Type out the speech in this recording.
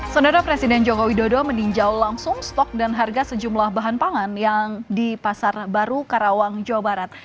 sementara presiden joko widodo meninjau langsung stok dan harga sejumlah bahan pangan yang di pasar baru karawang jawa barat